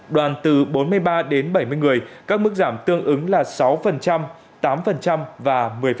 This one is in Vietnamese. đoàn từ bốn mươi ba đến bảy mươi người các mức giảm tương ứng là sáu tám và một mươi